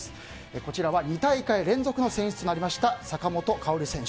こちらは２大会連続の選出になりました坂本花織選手。